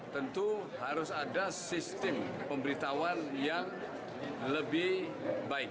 tentu harus ada sistem pemberitahuan yang lebih baik